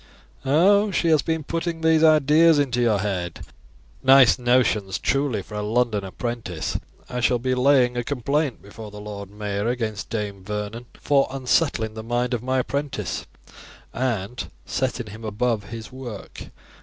"Oh! she has been putting these ideas into your head; nice notions truly for a London apprentice! I shall be laying a complaint before the lord mayor against Dame Vernon, for unsettling the mind of my apprentice, and setting him above his work.